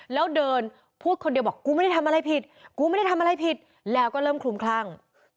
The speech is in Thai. แล้วเดินพูดคนเดียวบอกกูไม่ได้ทำอะไรผิดแล้วก็ลืมคลุมคร่าง